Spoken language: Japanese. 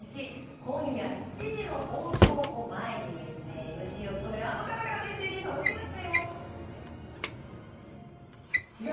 今夜７時の放送を前にＭＣを務めるあの方からメッセージ届きました。